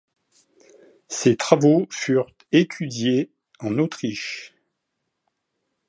Ses travaux furent étudiés en Autriche.